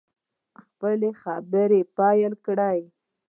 خپلې خبرې پیل کړې.